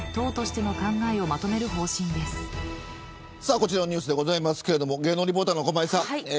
こちらのニュースですが芸能リポーターの駒井さん。